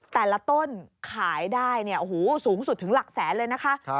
แต่ละต้นขายได้สูงสุดถึงหลักแสนเลยนะคะ